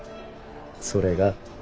それが？